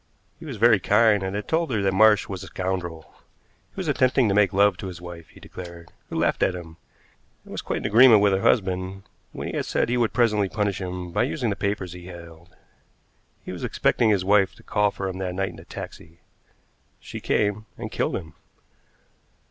He was very kind, and had told her that Marsh was a scoundrel. He was attempting to make love to his wife, he declared, who laughed at him, and was quite in agreement with her husband when he said he would presently punish him by using the papers he held. He was expecting his wife to call for him that night in a taxi. She came, and killed him.